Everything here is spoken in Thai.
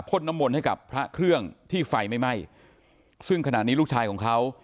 น้ำมนต์ให้กับพระเครื่องที่ไฟไม่ไหม้ซึ่งขณะนี้ลูกชายของเขา